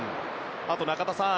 あと、中田さん